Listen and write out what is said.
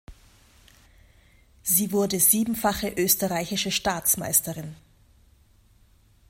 Sie wurde siebenfache Österreichische Staatsmeisterin.